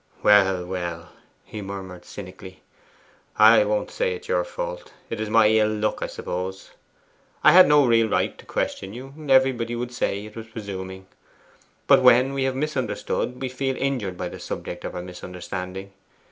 'Well, well,' he murmured cynically; 'I won't say it is your fault: it is my ill luck, I suppose. I had no real right to question you everybody would say it was presuming. But when we have misunderstood, we feel injured by the subject of our misunderstanding.